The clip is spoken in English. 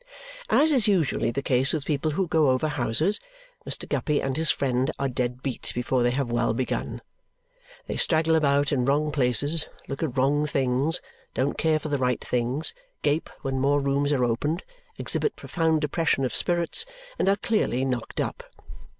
As is usually the case with people who go over houses, Mr. Guppy and his friend are dead beat before they have well begun. They straggle about in wrong places, look at wrong things, don't care for the right things, gape when more rooms are opened, exhibit profound depression of spirits, and are clearly knocked up.